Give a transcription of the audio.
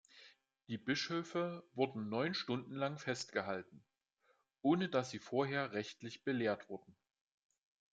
Die Bischöfe wurden neun Stunden lang festgehalten, ohne dass sie vorher rechtlich belehrt wurden.